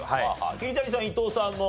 桐谷さん伊藤さんも。